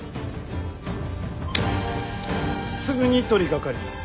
すぐに取りかかります。